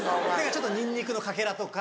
ちょっとニンニクのかけらとか。